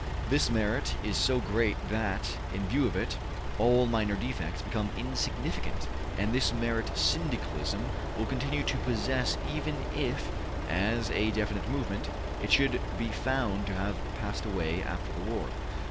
This merit is so great that, in view of it, all minor defects become insignificant, and this merit Syndicalism will continue to possess even if, as a definite movement, it should be found to have passed away with the war.